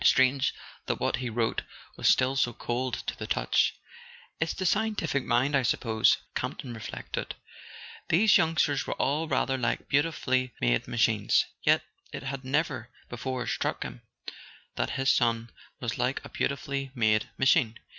Strange that what he wrote was still so cold to the touch. .. "It's the scientific mind, I suppose," Camp ton re¬ flected. "These youngsters are all rather like beauti¬ fully made machines..Yet it had never before struck him that his son was like a beautifully made machine.